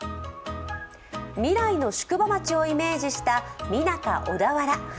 未来の宿場町をイメージしたミナカ小田原。